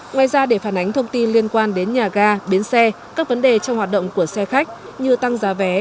ngoài ra để phản ánh thông tin liên quan đến nhà ga bến xe các vấn đề trong hoạt động của xe khách như tăng giá vé